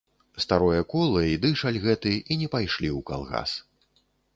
Старое кола і дышаль гэты і не пайшлі ў калгас.